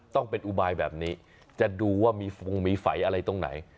ต้องเป็นอุบายแบบนี้จะดูว่ามีฟงมีไฟอะไรตรงไหน